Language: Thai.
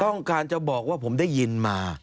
ต้องการจะบอกว่าผมได้ยินมา